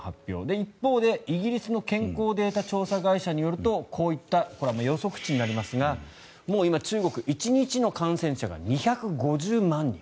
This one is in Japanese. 一方でイギリスの健康データ調査会社によるとこういった予測値になりますが今、中国は１日の感染者が２５０万人。